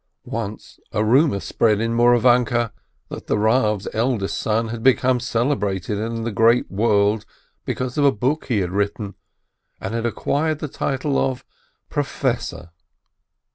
Once a rumor spread in Mouravanke that the Rav's eldest son had become celebrated in the great world because of a book he had written, and had acquired the title of "professor."